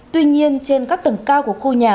tuy nhiên trên các tầng cao của khu nhà